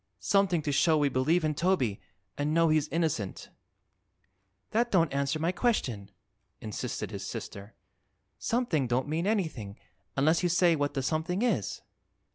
"Something to show we believe in Toby an' know he's innocent." "That don't answer my question," insisted his sister. "Something don't mean anything, unless you say what the something is."